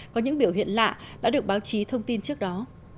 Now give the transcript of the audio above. có những biểu hiện lạ đã được báo chí thông tin trước đó